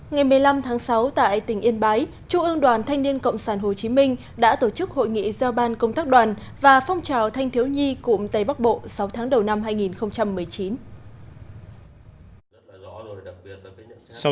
ngày một mươi năm tháng sáu tại tỉnh yên bái trung ương đoàn thanh niên cộng sản hồ chí minh đã tổ chức hội nghị giao ban công tác đoàn và phong trào thanh thiếu nhi cụm tây bắc bộ sáu tháng đầu năm hai nghìn một mươi chín